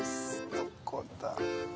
どこだ？